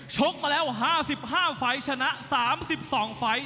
ชกมาแล้ว๕๕ไฟล์ชนะ๓๒ไฟล์